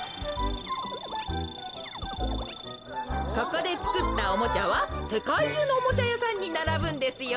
ここでつくったおもちゃはせかいじゅうのおもちゃやさんにならぶんですよ。